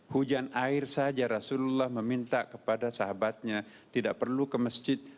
hujan air saja rasulullah meminta kepada sahabatnya tidak perlu ke masjid